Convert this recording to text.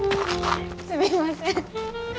すみません。